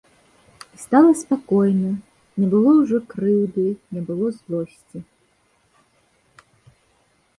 І стала спакойна, не было ўжо крыўды, не было злосці.